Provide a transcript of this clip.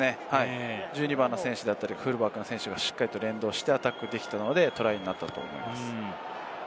１２番の選手だったり、フルバックの選手がアタックできたのでトライできたと思います。